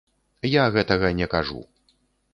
Я гэтага не кажу.